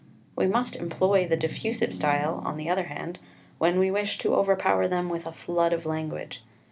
We must employ the diffusive style, on the other hand, when we wish to overpower them with a flood of language.